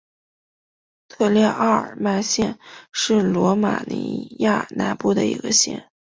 特列奥尔曼县是罗马尼亚南部的一个县。